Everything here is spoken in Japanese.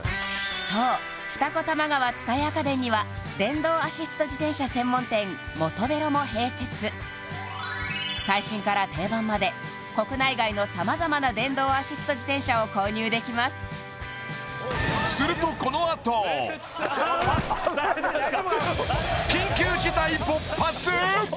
そう二子玉川蔦屋家電には電動アシスト自転車専門店モトベロも併設最新から定番まで国内外の様々な電動アシスト自転車を購入できますすると大丈夫ですか！